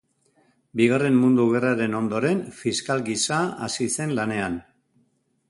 Bigarren Mundu Gerraren ondoren, fiskal gisa hasi zen lanean.